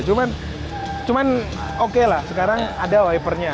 cuman oke lah sekarang ada wipernya